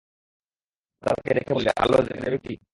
দাদাকে দেখে বললে, আলো জ্বেলে দেব কি?